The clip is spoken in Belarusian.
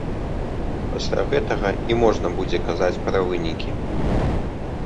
Пасля гэтага і можна будзе казаць пра вынікі.